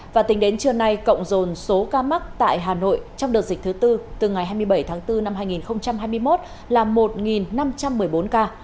và tính đến trưa nay cộng dồn số ca mắc tại hà nội trong đợt dịch thứ tư từ ngày hai mươi bảy tháng bốn năm hai nghìn hai mươi một là một năm trăm một mươi bốn ca